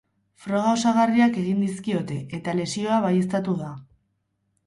Froga osagarriak egin dizkiote, eta lesioa baieztatu da.